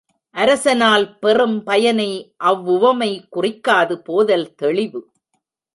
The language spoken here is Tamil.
அரசனால் பெறும் பயனை அவ்வுவமை குறிக்காது போதல் தெளிவு.